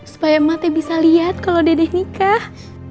supaya mak teh bisa lihat kalau dede nikah